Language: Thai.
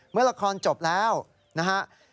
เมื่อละครจบแล้วนะฮะ